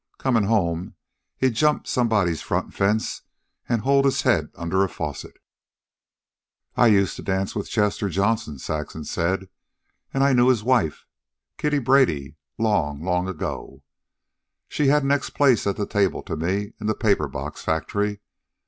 Comin' home, he'd jump somebody's front fence an' hold his head under a faucet." "I used to dance with Chester Johnson," Saxon said. "And I knew his wife, Kittie Brady, long and long ago. She had next place at the table to me in the paper box factory.